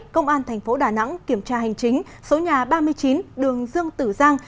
công an thành phố đà nẵng kiểm tra hành chính số nhà ba mươi chín đường dương tử giang